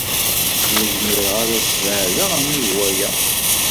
Ur zmireɣ ara ad sbeɛdeɣ nnig waya.